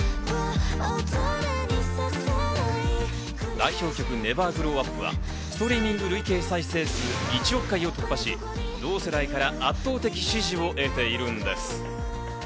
代表曲『ＮｅｖｅｒＧｒｏｗＵｐ』はストリーミング累計再生回数１億回を突破し、同世代から圧倒的支持を得ているんです。